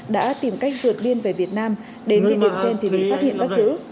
đã tìm cách vượt biên về việt nam đến liên hiệp trên thì bị phát hiện bắt giữ